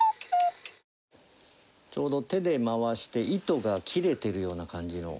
ちょうど手で回して糸が切れてるような感じの。